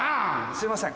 すいません